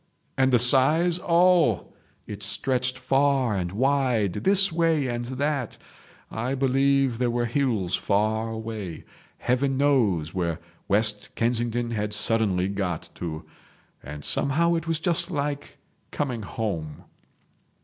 And the size? Oh! it stretched far and wide, this way and that. I believe there were hills far away. Heaven knows where West Kensington had suddenly got to. And somehow it was just like coming home.